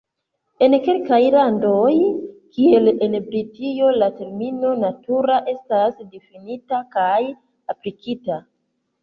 En kelkaj landoj kiel en Britio la termino "natura" estas difinita kaj aplikita.